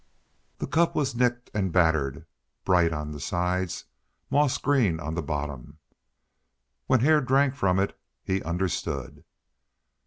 The cup was nicked and battered, bright on the sides, moss green on the bottom. When Hare drank from it he understood.